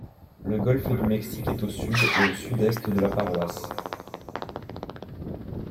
Le golfe du Mexique est au sud et au sud-est de la paroisse.